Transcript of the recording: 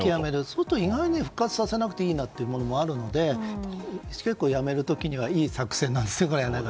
そうすると意外に復活させなくていいなというものもあるので結構やめる時にはいい作戦だと思いますね。